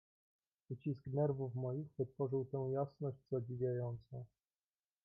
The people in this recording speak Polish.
"Ucisk nerwów moich wytworzył tę jasność zadziwiającą."